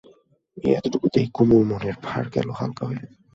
এই এতটুকুতেই কুমুর মনের ভার গেল হালকা হয়ে।